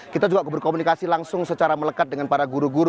kita juga berkomunikasi langsung secara melekat dengan para guru guru